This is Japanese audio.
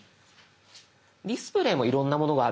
「ディスプレイ」もいろんなものがあるんです。